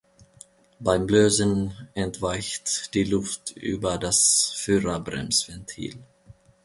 Beim Lösen entweicht die Luft über das Führerbremsventil.